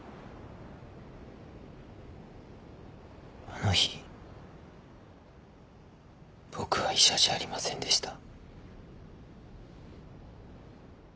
あの日僕は医者じゃありませんでした。